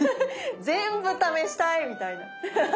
全部試したい！みたいな。